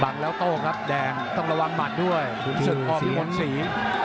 บังแล้วเก้าครับแดงต้องระวังหมัดด้วยคุณศึกพ่อพี่มนต์ศรี